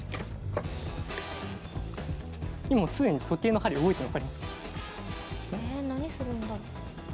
今常に時計の針動いてるの分かります？